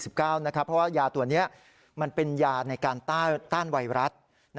เพราะว่ายาตัวนี้มันเป็นยาในการต้านไวรัส